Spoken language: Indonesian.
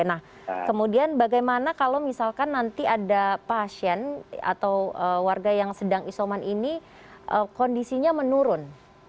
nah kemudian bagaimana kalau misalkan nanti ada pasien atau warga yang sedang isoman ini kondisinya menurun